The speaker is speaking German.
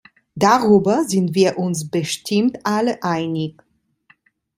Darüber sind wir uns bestimmt alle einig.